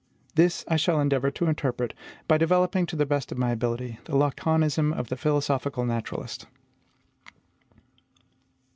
This I shall endeavour to interpret, by developing to the best of my ability the laconism of the philosophical naturalist.